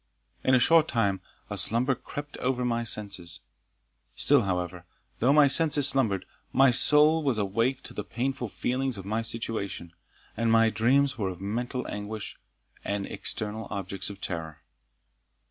In a short time a slumber crept over my senses; still, however, though my senses slumbered, my soul was awake to the painful feelings of my situation, and my dreams were of mental anguish and external objects of terror.